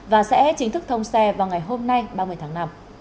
và sẽ chính thức thông xe vào ngày hôm nay ba mươi tháng năm